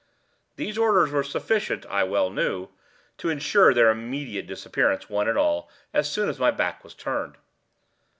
These orders were sufficient, I well knew, to insure their immediate disappearance, one and all, as soon as my back was turned.